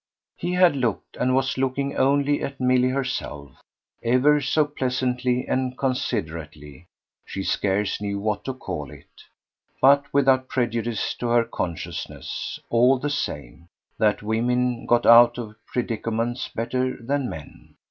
He had looked and was looking only at Milly herself, ever so pleasantly and considerately she scarce knew what to call it; but without prejudice to her consciousness, all the same, that women got out of predicaments better than men.